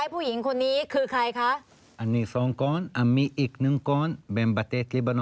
ผู้หญิงคนนี้เป็นชาว